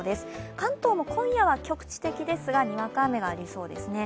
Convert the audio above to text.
関東も今夜は局地的ですが、にわか雨がありそうです。